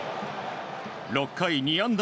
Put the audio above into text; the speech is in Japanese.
６回２安打